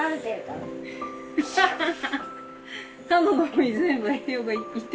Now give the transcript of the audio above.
ハハハハハ！